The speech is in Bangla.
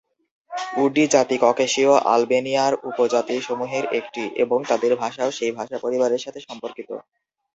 উডি জাতি ককেশীয় আলবেনিয়ার উপজাতি সমূহের একটি, এবং তাদের ভাষাও সেই ভাষা পরিবারের সাথে সম্পর্কিত।